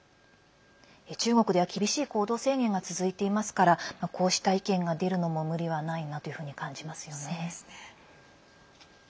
中国では厳しい行動制限が続いていますからこうした意見が出るのも無理もないなというふうに感じますよね。